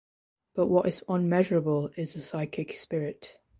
But what is unmeasurable is the psychic spirit.